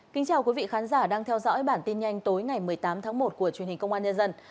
kính chào quý vị khán giả đang theo dõi bản tin nhanh tối ngày một mươi tám tháng một của truyền hình công an nhân dân